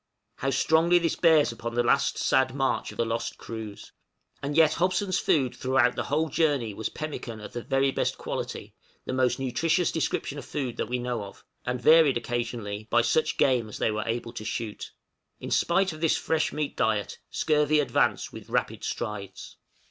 How strongly this bears upon the last sad march of the lost crews! And yet Hobson's food throughout the whole journey was pemmican of the very best quality, the most nutritious description of food that we know of, and varied occasionally by such game as they were able to shoot. In spite of this fresh meat diet, scurvy advanced with rapid strides.